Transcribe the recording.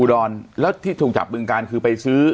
ดรแล้วที่ถูกจับบึงการคือไปซื้อ